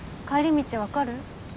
帰り道分かる？